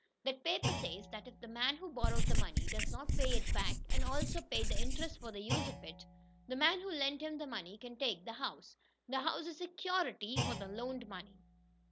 That paper says that if the man who borrowed the money does not pay it back, and also pay interest for the use of it, the man who lent him the money can take the house. The house is "security" for the loaned money.